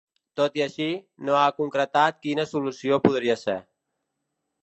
Tot i així, no ha concretat quina solució podria ser.